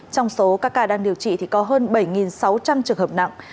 trong số các ca đang điều trị thì có hơn bảy sáu trăm linh trường hợp nặng